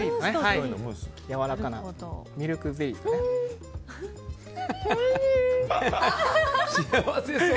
やわらかなミルクゼリーです。